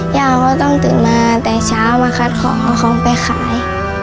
ย่าก็ต้องตื่นมาแต่เช้ามาคัดของเอาของไปขาย